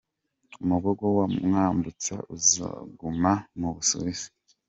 Umugogo wa Mwambutsa uzaguma mu Busuwisi